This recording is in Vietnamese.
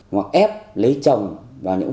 hoặc ép lấy chồng vào những